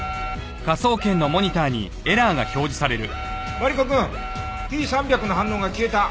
マリコくんＰ３００の反応が消えた。